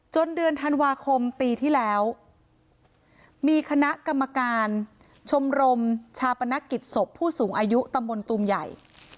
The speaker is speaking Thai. เดือนธันวาคมปีที่แล้วมีคณะกรรมการชมรมชาปนกิจศพผู้สูงอายุตำบลตูมใหญ่